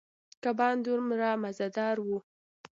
کبان دومره مزدار ووـ.